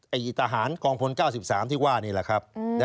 ทหารกองพล๙๓ที่ว่านี่แหละครับ